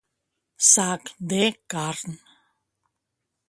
Sac de carn.